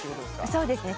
そうですね。